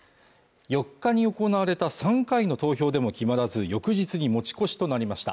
４日に行われた３回の投票でも決まらず翌日に持ち越しとなりました